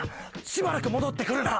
しばらく戻って来るな！